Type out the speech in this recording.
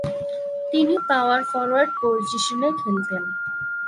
তিনি power forward পজিশনে খেলতেন।